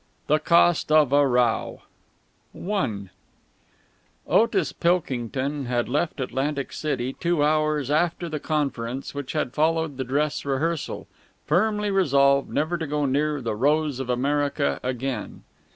CHAPTER XVII THE COST OF A ROW I Otis Pilkington had left Atlantic City two hours after the conference which had followed the dress rehearsal, firmly resolved never to go near "The Rose of America" again.